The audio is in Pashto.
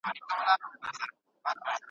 ده د قلم او تورې ترمنځ توازن ساتلی و